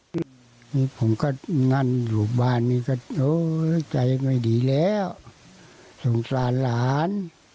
นี่ผมก็งั่นอยู่บ้านนี้ก็โอ้ใจไม่ดีแล้วสงสารหลาน